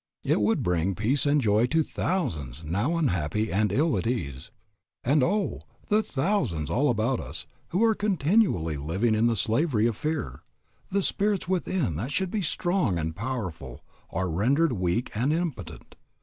It would bring peace and joy to thousands now unhappy and ill at ease. And oh, the thousands all about us who are continually living in the slavery of fear. The spirits within that should be strong and powerful, are rendered weak and impotent.